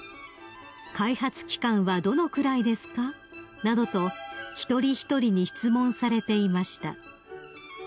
「開発期間はどのくらいですか？」などと一人一人に質問されていました］